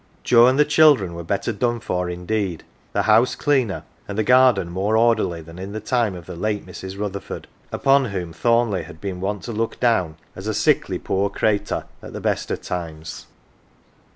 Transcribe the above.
Joe and the children were better " done for " indeed, the house cleaner, and the garden more orderly than in the time of the late Mrs. Rutherford, upon whom Thornleigh had been wont to look down as "a sickly poor cratur" at the best of times.